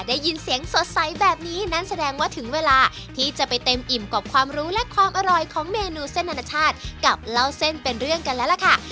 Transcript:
ได้ยินเสียงสดใสแบบนี้นั้นแสดงว่าถึงเวลาที่จะไปเต็มอิ่มกับความรู้และความอร่อยของเมนูเส้นอนาชาติกับเล่าเส้นเป็นเรื่องกันแล้วล่ะค่ะ